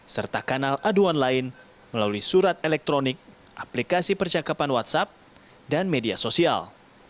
serta kanal aduan lain melalui surat elektronik aplikasi percakapan whatsapp dan media sosial